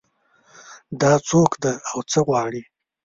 دا څوک ده او څه غواړي